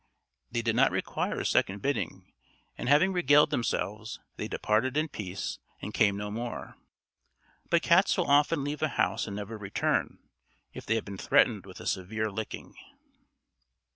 They did not require a second bidding, and having regaled themselves, they departed in peace and came no more. But cats will often leave a house and never return, if they have been threatened with a severe licking.